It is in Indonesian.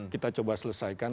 kita coba selesaikan